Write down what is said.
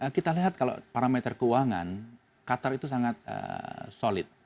kita lihat kalau parameter keuangan qatar itu sangat solid